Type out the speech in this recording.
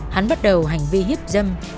hắn bắt đầu hành vi hiếp dâm